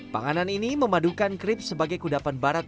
panganan ini memadukan krip sebagai kudapan barat